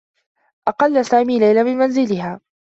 أقلّ سامي ليلى من منزلها.